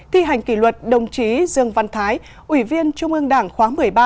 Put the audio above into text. thi hành kỷ luật đồng chí dương văn thái ủy viên trung ương đảng khóa một mươi ba